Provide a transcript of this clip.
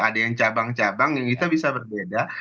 ada yang cabang cabang yang kita bisa berbeda